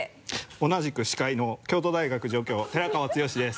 同じく司会の京都大学助教寺川剛です。